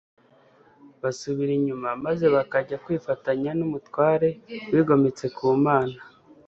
basubira inyuma maze bakajya kwifatanya n'umutware wigometse ku mana